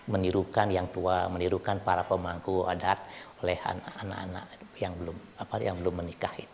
menirukan para pemangku adat oleh anak anak yang belum menikah